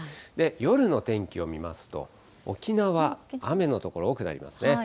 夜の天気を見ますと、沖縄、雨の所が多くなりますね。